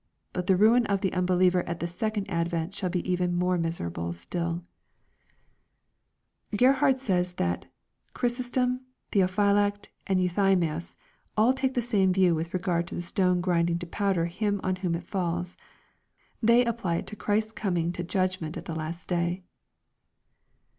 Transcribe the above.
But the ruin of the unbehever at the second advent shall be even more miserable stilL Grerhard says, that Chrysostom, Theophylact, and Euthymius, all take the same view with regard to the stone grinding to pow der him on whom it falls. They apply it to Christ's coming to judgment at the last day.